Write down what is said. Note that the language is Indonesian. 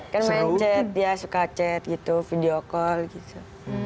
karena temen karena chat dia suka chat gitu video call gitu